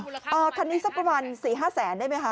คันนี้สักประมาณ๔๕แสนได้ไหมคะ